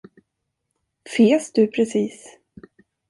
Fes du precis?